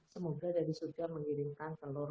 semoga dari surga mengirimkan telur